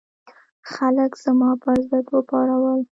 خلک زما پر ضد وپارول.